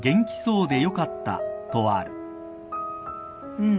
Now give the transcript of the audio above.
うん。